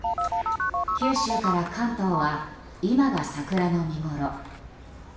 九州から関東は今が桜の見ごろ。